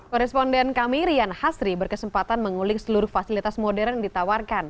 koresponden kami rian hasri berkesempatan mengulik seluruh fasilitas modern yang ditawarkan